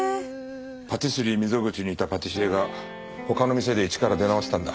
パティスリー溝口にいたパティシエが他の店で一から出直したんだ。